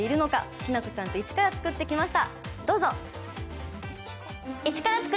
きなこちゃんと一から作ってきました。